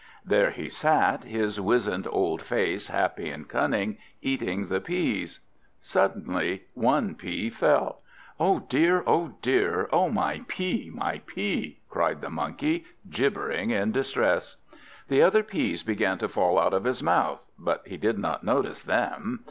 There he sat, his wizened old face happy and cunning, eating the peas. Suddenly one pea fell. "O dear, O dear! O my pea, my pea!" cried the Monkey, gibbering in distress. The other peas began to fall out of his mouth, but he did not notice them.